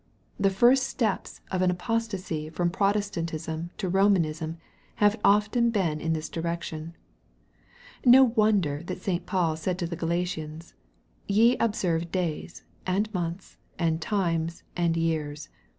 The first steps of apostacy from Protestantism to Eomanism have often been in this direction. No wonder that St. Paul said to the Gala tians, " Ye observe days, and months, and times, and years.